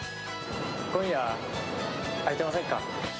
今夜、空いてませんか？